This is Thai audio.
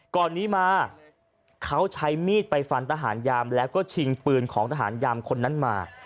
ก่อนนี้มาเขาใช้มีดไปฟันทหารยามแล้วก็ชิงปืนของทหารยามคนนั้นมา